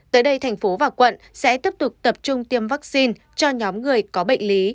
tới đây thành phố và quận sẽ tiếp tục tập trung tiêm vaccine cho nhóm người có bệnh lý